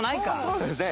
そうですね。